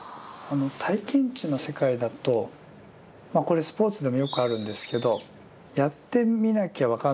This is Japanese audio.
体験知の世界だとこれスポーツでもよくあるんですけどやってみなきゃ分かんないと。